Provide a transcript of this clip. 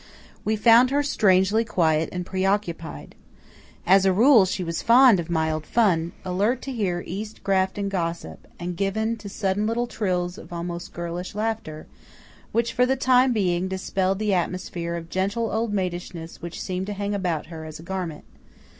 We found her strangely quiet and preoccupied. As a rule she was fond of mild fun, alert to hear East Grafton gossip, and given to sudden little trills of almost girlish laughter, which for the time being dispelled the atmosphere of gentle old maidishness which seemed to hang about her as a garment.